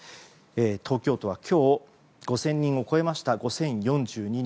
東京都は今日５０００人を超えまして５０４２人。